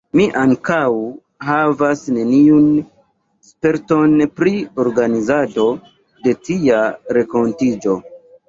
Mi ankaŭ havas neniun sperton pri organizado de tia renkontiĝo.